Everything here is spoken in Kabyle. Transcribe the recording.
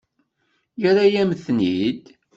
Yerra-yam-ten-id.